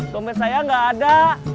dompet saya gak ada